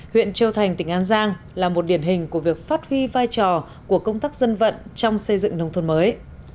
huyện châu thành tỉnh an giang là một điển hình của việc phát huy vai trò của công tác dân vận trong xây dựng nông thôn mới